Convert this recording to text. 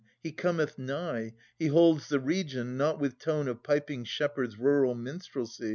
He cometh nigh : He holds the region : not with tone Of piping shepherd! s rural minstrelsy.